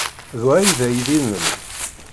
D wa ay d aydi-nnem?